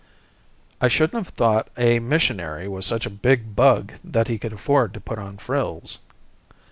"I shouldn't have thought a missionary was such a big bug that he could afford to put on frills."